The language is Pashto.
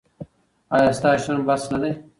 ایا ستا شتون بس نه دی؟